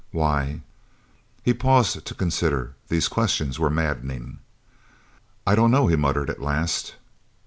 "Why?" His pauses to consider these questions were maddening. "I don't know," he muttered at last.